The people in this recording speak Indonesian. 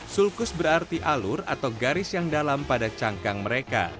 sulkus berarti alur atau garis yang dalam pada cangkang mereka